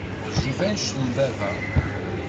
Ɣezzif anect n baba.